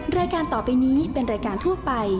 รายการต่อไปนี้เป็นรายการทั่วไป